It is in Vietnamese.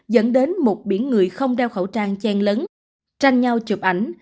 dẫn đến một biển người không đeo khẩu trang chen lấn tranh nhau chụp ảnh